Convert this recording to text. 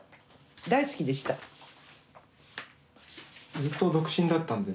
大好きでした。